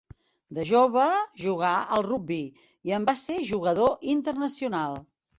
De jove jugà al rugbi, i en va ser jugador internacional.